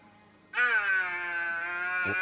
あっ！